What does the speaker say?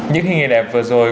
những hình hình đẹp vừa rồi